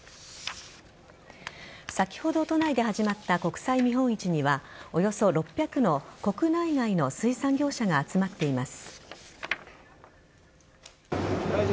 先ほど都内で始まった国際見本市にはおよそ６００の国内外の水産業者が集まっています。